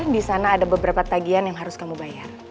di sana ada beberapa tagian yang harus kamu bayar